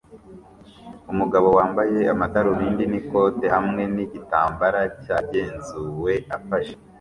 Umugabo wambaye amadarubindi n'ikote hamwe nigitambara cyagenzuwe afashe